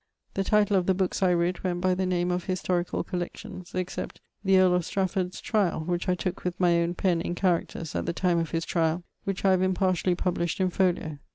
The title of the books I writ went by the name of Historicall Collections; except The earle of Strafford's triall, which I toke with my owne pen in characters at the time of his triall, which I have impartially published in folio.